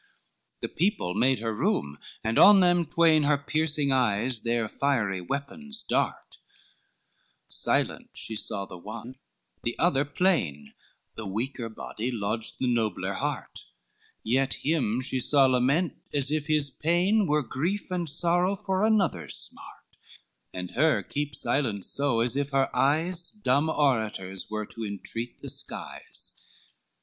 XLII The people made her room, and on them twain Her piercing eyes their fiery weapons dart, Silent she saw the one, the other 'plain, The weaker body lodged the nobler heart: Yet him she saw lament, as if his pain Were grief and sorrow for another's smart, And her keep silence so, as if her eyes Dumb orators were to entreat the skies.